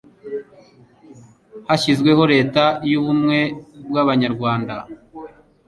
hashyizweho Leta y'Ubumwe bw'Abanyarwanda